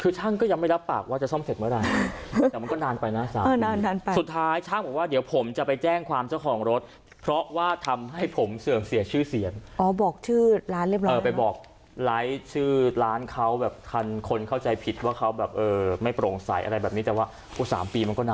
คือช่างก็ยังไม่รับปากว่าจะซ่อมเสร็จเมื่อไหร่แต่มันก็นานไปนะสุดท้ายช่างบอกว่าเดี๋ยวผมจะไปแจ้งความเจ้าของรถเพราะว่าทำให้ผมเสื่อมเสียชื่อเสียงอ๋อบอกชื่อร้านเรียบร้อยเออไปบอกไลฟ์ชื่อร้านเขาแบบทันคนเข้าใจผิดว่าเขาแบบเออไม่โปร่งใสอะไรแบบนี้แต่ว่าสามปีมันก็นาน